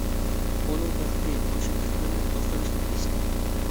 ئۇنىڭ بەختى ئاشۇ ئىقلىمنى ئاسراشنى بىلىشتە.